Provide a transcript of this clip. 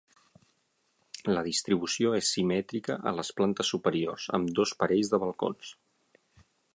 La distribució és simètrica a les plantes superiors amb dos parells de balcons.